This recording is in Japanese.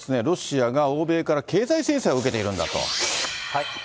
ロシアが欧米から経済制裁を受けているんだと。